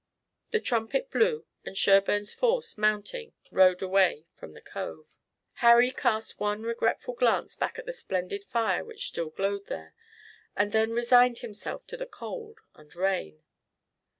The trumpet blew and Sherburne's force, mounting, rode away from the cove. Harry cast one regretful glance back at the splendid fire which still glowed there, and then resigned himself to the cold and rain.